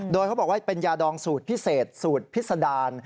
โดยเขาบอกว่าเป็นยาดองสูตรพิเศษสูตรพิษดาร